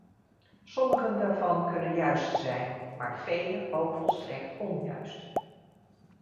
Sommigen daarvan kunnen juist zijn, maar vele ook volstrekt onjuist.